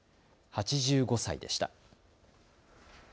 ８５歳でした。